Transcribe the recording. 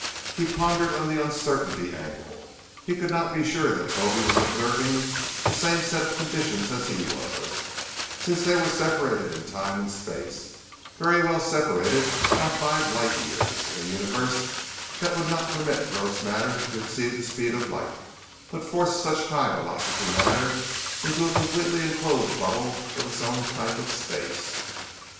He pondered on the uncertainty angle; he could not be sure that Toby was observing the same set of conditions as he was, since they were separated in time and space; very well separated by five light years, in a universe that would not permit gross matter to exceed the speed of light, but forced such high velocity matter into a completely enclosed bubble of its own type of space.